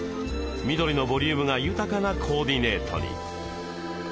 緑のボリュームが豊かなコーディネートに。